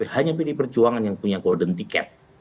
hanya pdi perjuangan yang punya golden ticket